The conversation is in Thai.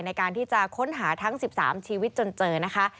ในการที่จะค้นหาทั้ง๑๓ชีวิตจนเจอนะคะ